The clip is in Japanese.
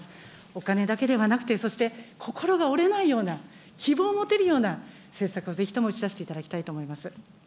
お金だけではなくて、そして心が折れないような、希望を持てるような、政策をぜひとも打ち出していただきたいと思います。